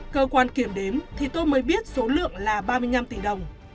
cơ quan kiểm đếm thì tôi mới biết số lượng là ba mươi năm tỷ đồng